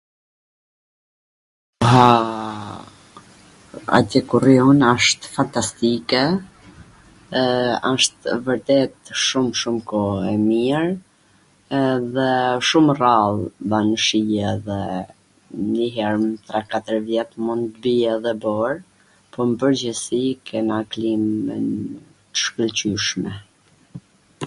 aaaa, atje ku rri un asht fantastike, ee, asht vwrtet shum shum koh e mir, edhe shum rrall ban shi edhe nji her nw tre katwr vjet mund bie edhe bor, po n pwrgjithsi kena klim t shkwlqyshme.